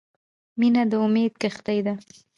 • مینه د امیدونو کښتۍ ده.